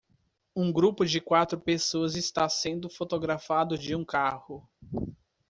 Um grupo de quatro pessoas está sendo fotografado de um carro.